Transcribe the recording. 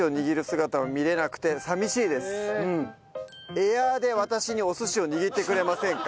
エアーで私にお寿司を握ってくれませんか？